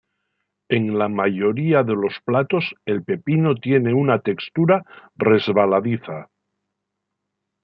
En la mayoría de los platos el pepino tiene una textura resbaladiza.